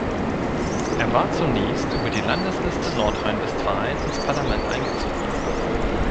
Er war zunächst über die Landesliste Nordrhein-Westfalen ins Parlament eingezogen.